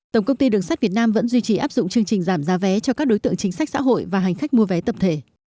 tổng công ty đường sắt việt nam vẫn duy trì áp dụng chương trình giảm giá vé cho các đối tượng chính sách xã hội và hành khách mua vé tập thể